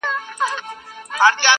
جهاني زما چي په یادیږي دا جنت وطن وو!